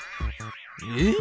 えっ？